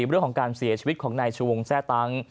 เรื่องของการเสียชีวิตของในชวงแช่ตางข์